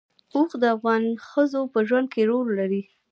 اوښ د افغان ښځو په ژوند کې رول لري.